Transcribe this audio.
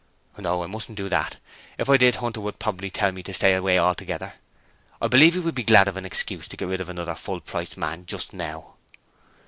'No; I mustn't do that. If I did Hunter would probably tell me to stay away altogether. I believe he would be glad of an excuse to get rid of another full price man just now.'